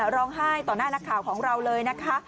ร้องไห้ต่อหน้านักข่าวของเราเลยนะคะ